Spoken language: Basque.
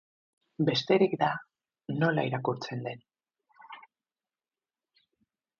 Besterik da nola irakurtzen den.